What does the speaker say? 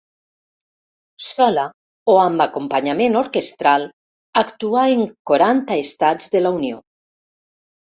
Sola o amb acompanyament orquestral, actuà en quaranta Estats de la Unió.